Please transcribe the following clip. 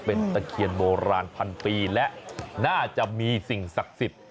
เป็นตะเคียนโบราณพันปีและน่าจะมีสิ่งศักดิ์สิทธิ์